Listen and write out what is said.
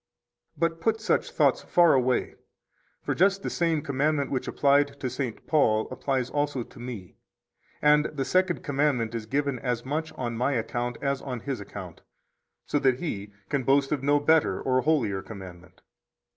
But put such thoughts far away, for just the same commandment which applied to St. Paul applies also to me; and the Second Commandment is given as much on my account as on his account, so that he can boast of no better or holier commandment.